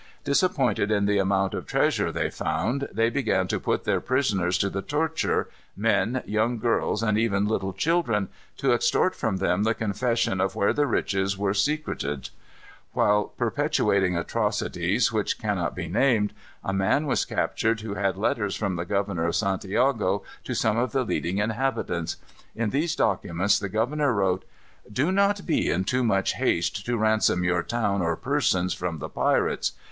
Disappointed in the amount of treasure they found, they began to put their prisoners to the torture, men, young girls, and even little children, to extort from them the confession of where riches were secreted. While perpetrating atrocities which cannot be named, a man was captured who had letters from the governor of Santiago to some of the leading inhabitants. In these documents the governor wrote: "Do not be in too much haste to ransom your town or persons from the pirates.